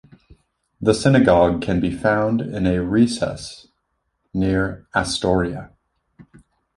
The Synagogue can be found in a recess near Astoria.